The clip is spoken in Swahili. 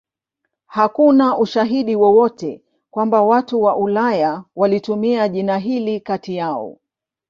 Hakuna ushahidi wowote kwamba watu wa Ulaya walitumia jina hili kati yao.